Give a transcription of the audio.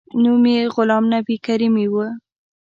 نوم یې غلام نبي کریمي و.